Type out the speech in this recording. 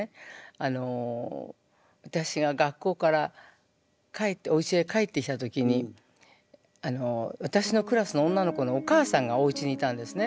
あの私が学校からおうちへ帰ってきた時に私のクラスの女の子のお母さんがおうちにいたんですね。